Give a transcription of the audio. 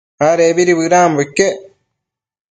Adecbidi bëdanbo iquec